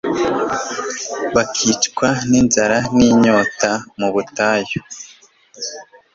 bakicwa n'inzara n'inyota mu butayu